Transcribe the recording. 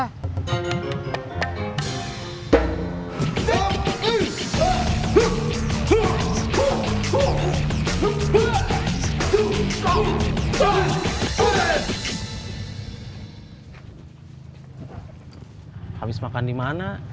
habis makan dimana